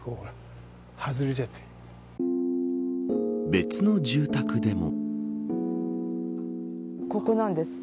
別の住宅でも。